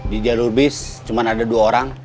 di jalur bis cuma ada dua orang